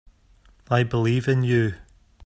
I believe in you.